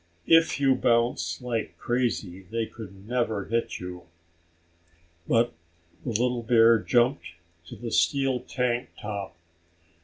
If you bounce like crazy they could never hit you." But the little bear jumped to the steel tank top.